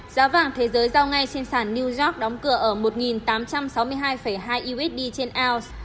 giá vàng thế giới giao ngay trên sản new york đóng cửa ở một tám trăm sáu mươi hai hai usd trên ounce